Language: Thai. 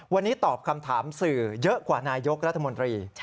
วันนี้ตอบคำถามสื่อเยอะกว่านายกรัฐมนตรี